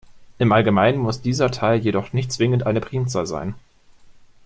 Im Allgemeinen muss dieser Teiler jedoch nicht zwingend eine Primzahl sein.